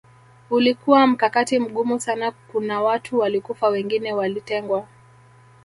Ulikuwa mkakati mgumu sana kuna watu walikufa wengine walitengwa